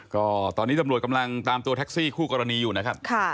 ก็ตอนนี้ตำรวจกำลังตามตัวแท็กซี่คู่กรณีอยู่นะครับ